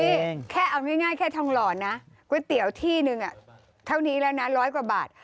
นี่แค่เอาง่ายแค่ทองหล่อนะก๋วยเตี๋ยวที่นึงเท่านี้แล้วนะร้อยกว่าบาท